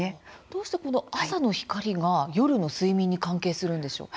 どうしてこの朝の光が夜の睡眠に関係するのでしょう。